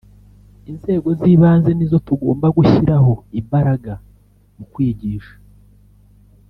Inzego z’ibanze ni zo tugomba gushyiraho imbaraga mu kwigisha